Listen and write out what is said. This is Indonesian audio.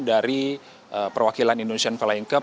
dari perwakilan indonesia flying club